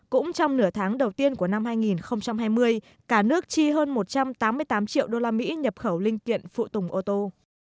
cũng trong nửa tháng đầu tiên của năm hai nghìn hai mươi cả nước chi hơn một trăm tám mươi tám triệu usd nhập khẩu linh kiện phụ tùng ô tô